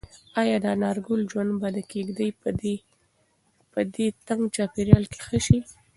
ایا د انارګل ژوند به د کيږدۍ په دې تنګ چاپېریال کې ښه شي؟